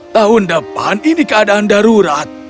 tahun depan ini keadaan darurat